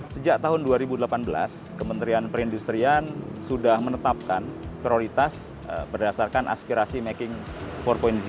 sejak tahun dua ribu delapan belas kementerian perindustrian sudah menetapkan prioritas berdasarkan aspirasi making empat g